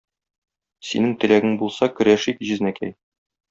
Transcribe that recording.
Синең теләгең булса, көрәшик, җизнәкәй.